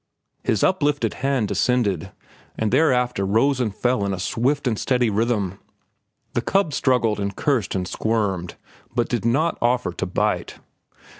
His uplifted hand descended, and thereafter rose and fell in a swift and steady rhythm. The cub struggled and cursed and squirmed, but did not offer to bite.